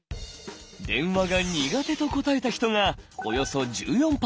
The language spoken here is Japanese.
「電話が苦手」と答えた人がおよそ１４％。